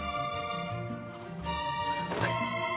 はい。